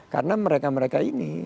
karena mereka mereka ini